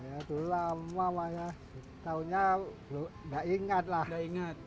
ya itu lama pak tahunya nggak ingatlah